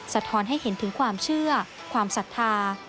สะท้อนให้เห็นถึงความเชื่อความศรัทธา